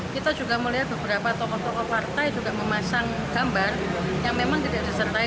kita juga melihat beberapa tokoh tokoh partai juga memasang gambar yang memang tidak disertai